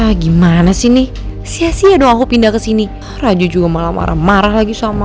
ah gimana sih nih sia sia dong aku pindah ke sini raja juga malah marah marah lagi sama